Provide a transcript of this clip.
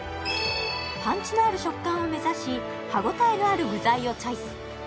パンチのある食感を目指し歯応えのある具材をチョイス